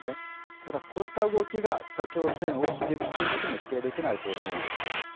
ただ、こうした動きが北朝鮮を刺激していることも否定できないと思うんです。